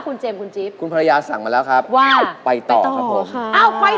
คุณภรรยาสั่งมาแล้วครับว่าไปต่อครับผมอ้าวไปต่อ